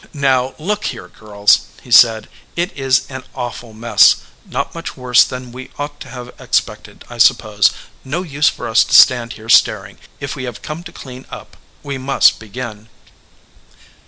"Now look here, girls," he said, "it is an awful mess ; not much worse than we ought to have expected, I suppose. No use for us to stand here staring. If we have come to clean up, we must begin."